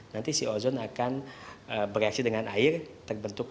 nanti si ozon akan beraksi dengan air nanti ozon akan menempel